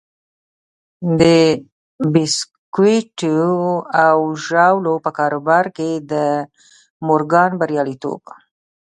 د بيسکويټو او ژاولو په کاروبار کې د مورګان برياليتوب و.